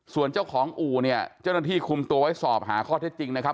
ส่วนเจ้าของอู่เนี่ยเจ้าหน้าที่คุมตัวไว้สอบหาข้อเท็จจริงนะครับ